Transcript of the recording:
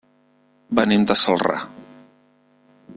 Venim de Celrà.